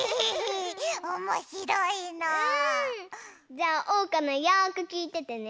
じゃあおうかのよくきいててね。